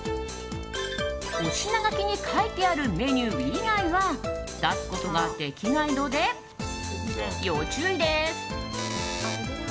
お品書きに書いてあるメニュー以外は出すことができないので要注意です。